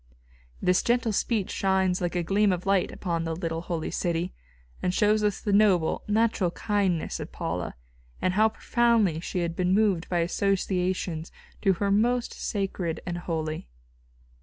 This gentle speech shines like a gleam of light upon the little holy city, and shows us the noble, natural kindness of Paula, and how profoundly she had been moved by associations to her most sacred and holy.